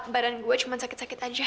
barang gue cuma sakit sakit aja